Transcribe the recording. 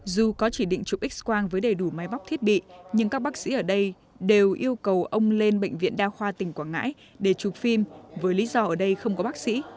dù có chỉ định chụp x quang với đầy đủ máy móc thiết bị nhưng các bác sĩ ở đây đều yêu cầu ông lên bệnh viện đa khoa tỉnh quảng ngãi để chụp phim với lý do ở đây không có bác sĩ